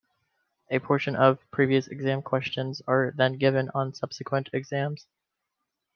A portion of previous exam questions are then given on subsequent exams.